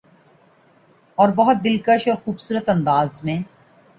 اور بہت دلکش اورخوبصورت انداز میں